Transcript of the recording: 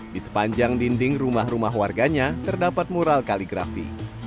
di sepanjang dinding rumah rumah warganya terdapat mural kaligrafi